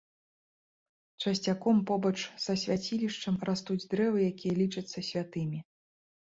Часцяком побач са свяцілішчам растуць дрэвы, якія лічацца святымі.